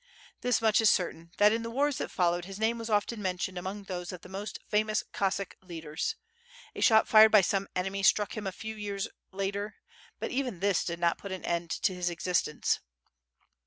This much is certain that in the wars that followed, his name was often mentioned among those of the most famous Cossack leaders. A shot fired by some enemy, struck him a few years later, but even this did not put an end to his exist ence.